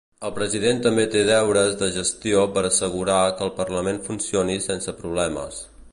El president també té deures de gestió per assegurar que el Parlament funcioni sense problemes.